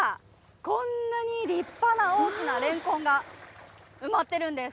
こんなに立派な大きなレンコンが埋まってるんです。